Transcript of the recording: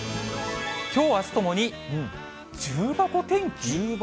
きょうあすともに、重箱天気？